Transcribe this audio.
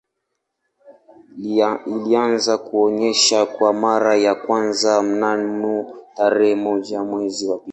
Ilianza kuonesha kwa mara ya kwanza mnamo tarehe moja mwezi wa pili